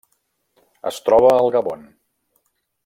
Es troba al Gabon.